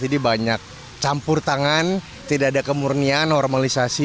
jadi banyak campur tangan tidak ada kemurnian normalisasi